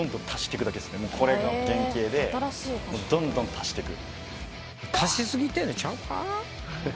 これが原形でどんどん足していく。